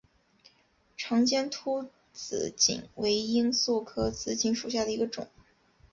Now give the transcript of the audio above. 长尖突紫堇为罂粟科紫堇属下的一个种。